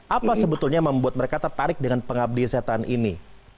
apa sebetulnya yang membuat mereka tertarik dengan pengabdi setan ini